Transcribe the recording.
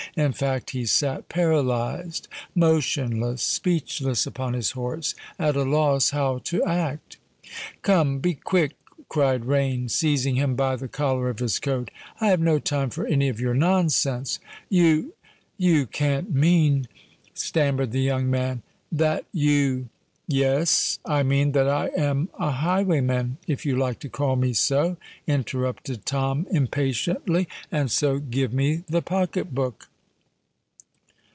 In fact, he sate paralysed—motionless—speechless upon his horse, at a loss how to act. "Come, be quick!" cried Rain, seizing him by the collar of his coat: "I have no time for any of your nonsense." "You—you—can't—mean——" stammered the young man, "that—you——" "Yes—I mean that I am a highwayman, if you like to call me so," interrupted Tom impatiently: "and so give me the pocket book."